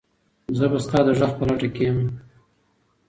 زه به ستا د غږ په لټه کې یم.